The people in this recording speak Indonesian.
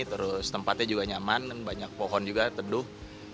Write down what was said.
terus tempatnya juga nyaman banyak pohon juga teduh